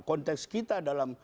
konteks kita dalam menyemai